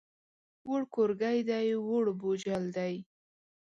ووړ کورګی دی، ووړ بوجل دی.